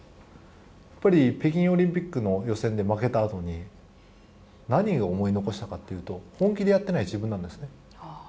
やっぱり北京オリンピックの予選で負けたあとに何が思い残したかっていうと本気でやってない自分なんですね。